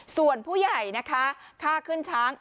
ส่วนผู้ใหญ่นะคะค่าขึ้นช้าง